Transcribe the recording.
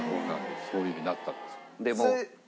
そういうふうになったんです。